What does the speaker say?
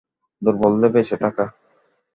দুর্বলদের বেঁচে থাকা।